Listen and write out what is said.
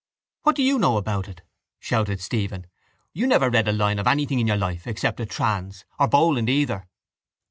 —What do you know about it? shouted Stephen. You never read a line of anything in your life except a trans or Boland either.